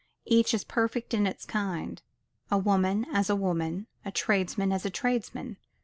Each is perfect in its kind: a woman as a woman; a tradesman as a tradesman.